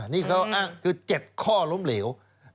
นี่เขาอ้างคือ๗ข้อล้มเหลว